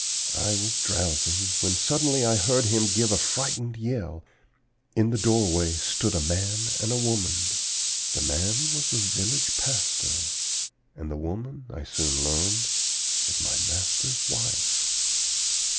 I was drowsing, when suddenly I heard him give a frightened yell. In the doorway stood a man and a woman. The man was the village pastor, and the woman, I soon learned, was my master's wife.